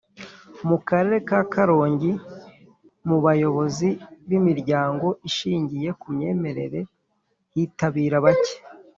Mu Karere ka Karongi mu bayobozi bimiryango ishingiye ku myemerere hitabira bake